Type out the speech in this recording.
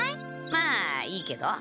まあいいけど。